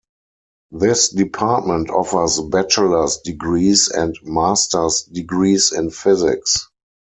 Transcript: This Department offers bachelor's degrees and master's degrees in Physics.